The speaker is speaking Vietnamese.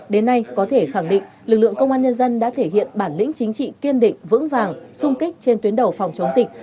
đến nay có thể khẳng định lực lượng công an nhân dân đã thể hiện bản lĩnh chính trị kiên định vững vàng xung kích trên tuyến đầu phòng chống dịch